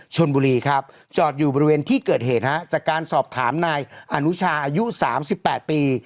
ชนบุรีครับจอดอยู่บริเวณที่เกิดเหตุฮะจากการสอบถามนายอนุชาอายุ๓๘ปี